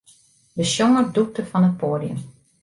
De sjonger dûkte fan it poadium.